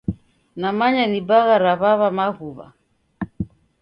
Namanya ni bagha ra w'aw'a Maghuwa.